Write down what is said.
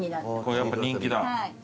やっぱ人気だ。